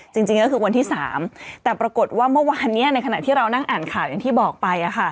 จริงก็คือวันที่๓แต่ปรากฏว่าเมื่อวานนี้ในขณะที่เรานั่งอ่านข่าวอย่างที่บอกไป